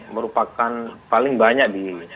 merupakan paling banyak